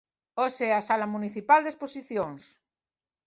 Hoxe é Sala Municipal de Exposicións.